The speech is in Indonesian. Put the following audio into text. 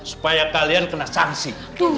supaya kalian kena sanksi